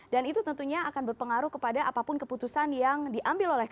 dan itu tentunya akan berpengaruh kepada apapun keputusan yang diambil oleh kpk